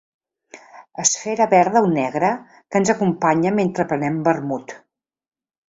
Esfera verda o negra que ens acompanya mentre prenem vermut.